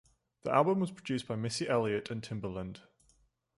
The album was produced by Missy Elliott and Timbaland.